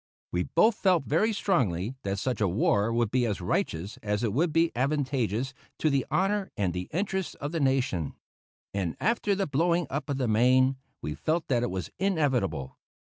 We both felt very strongly that such a war would be as righteous as it would be advantageous to the honor and the interests of the nation; and after the blowing up of the Maine, we felt that it was inevitable.